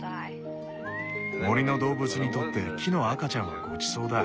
森の動物にとって木の赤ちゃんはごちそうだ。